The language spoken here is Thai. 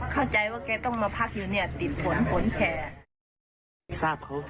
เข้าใจว่าแกต้องมาพักอยู่เนี่ยติดฝนฝนแขก